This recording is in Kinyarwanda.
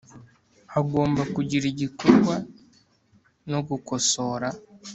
hagomba kugira igikorwa no gukosora